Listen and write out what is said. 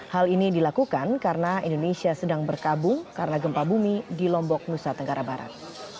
hal ini dilakukan karena indonesia sedang berkabung karena gempa bumi di lombok nusa tenggara barat